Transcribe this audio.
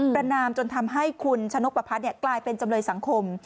ประนามจนทำให้คุณชะนกประพัดกลายเป็นจำเลยสังคม